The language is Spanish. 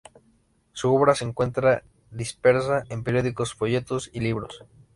Su obra se encuentra dispersa en periódicos, folletos y libros.